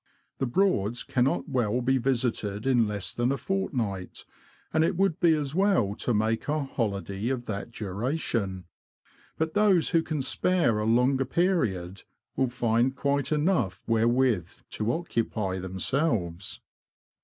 The Broads cannot well be visited in less than a fortnight, and it would be as well to make our holiday of that duration ; but those who can spare a longer period will find quite enough wherewith to occupy themselves. % 12 THE LAND OF THE BROADS.